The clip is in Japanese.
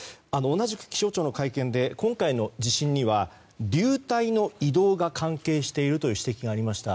同じく気象庁の会見で今回の地震には流体の移動が関係しているという指摘がありました。